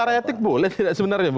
itu secara etik boleh tidak sebenarnya